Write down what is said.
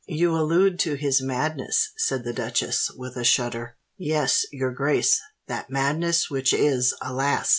"You allude to his madness," said the duchess, with a shudder. "Yes, your grace—that madness which is, alas!